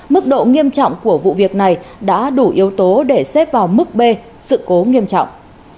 mức độ nghiêm trọng của vụ việc này đã đủ yếu tố để xếp vào mức b sự cố nghiêm trọng